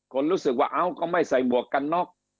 รู้สึกว่าเอ้าก็ไม่ใส่หมวกกันน็อก